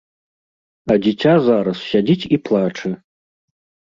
А дзіця зараз сядзіць і плача!